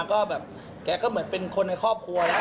ก็แบบแกก็เหมือนเป็นคนในครอบครัวแล้ว